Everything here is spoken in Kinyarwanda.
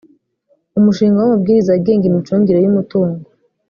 umushinga w’amabwiriza agenga imicungire y’umutungo